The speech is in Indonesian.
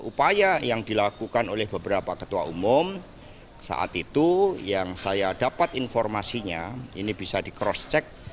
upaya yang dilakukan oleh beberapa ketua umum saat itu yang saya dapat informasinya ini bisa di cross check